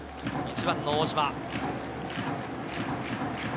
１番の大島。